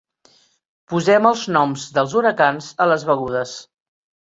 Posem els noms dels huracans a les begudes.